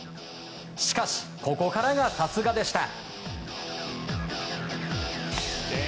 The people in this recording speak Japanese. しかし、ここからがさすがでした。